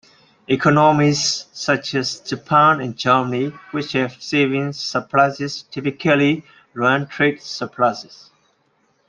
Economies such as Japan and Germany which have savings surpluses, typically run trade surpluses.